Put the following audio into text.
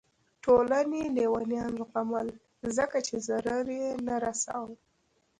ټولنې لیونیان زغمل ځکه چې ضرر یې نه رسوه.